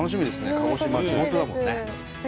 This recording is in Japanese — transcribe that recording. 鹿児島地元だもんね。